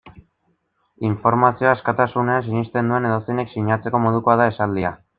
Informazioa askatasunean sinesten duen edozeinek sinatzeko modukoa da esaldia.